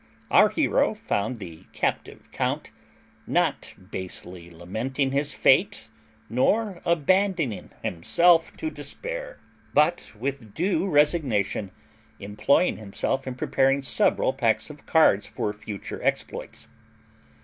Our hero found the captive count, not basely lamenting his fate nor abandoning himself to despair, but, with due resignation, employing himself in preparing several packs of cards for future exploits.